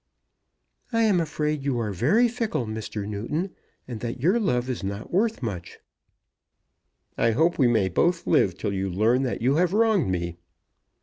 "I am afraid you are very fickle, Mr. Newton, and that your love is not worth much." "I hope we may both live till you learn that you have wronged me."